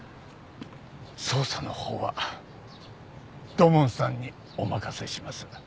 捜査のほうは土門さんにお任せします。